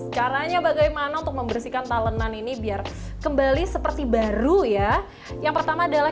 caranya bagaimana untuk membersihkan talenan ini biar kembali seperti baru ya yang pertama adalah